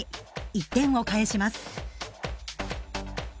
１点を返します。